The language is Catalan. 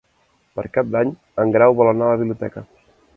Per Cap d'Any en Grau vol anar a la biblioteca.